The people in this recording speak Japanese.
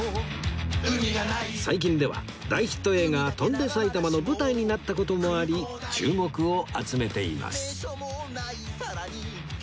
最近では大ヒット映画『翔んで埼玉』の舞台になった事もあり注目を集めています